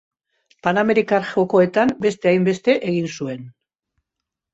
Panamerikar Jokoetan, beste hainbeste egin zuen.